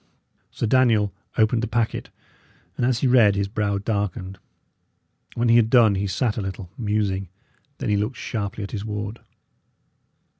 Sir Daniel opened the packet, and as he read his brow darkened. When he had done he sat a little, musing. Then he looked sharply at his ward.